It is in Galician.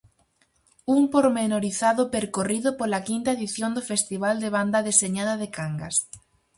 Un pormenorizado percorrido pola quinta edición do festival de banda deseñada de Cangas.